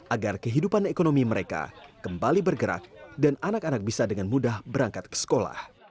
agar kehidupan ekonomi mereka kembali bergerak dan anak anak bisa dengan mudah berangkat ke sekolah